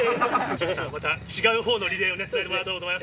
岸さん、また違うほうのリレーを伝えてもらえればと思います。